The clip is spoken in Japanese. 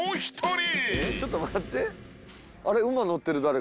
ちょっと待って。